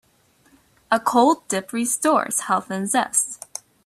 A cold dip restores health and zest.